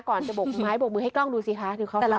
ก่อนจะบอกมือให้กล้องดูสิคะ